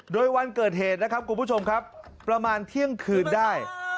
โดยวันเกิดเหตุนะครับคุณผู้ชมครับประมาณเที่ยงคืนได้